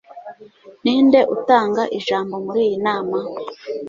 Ni Nde utanga ijambo muri iyi nama?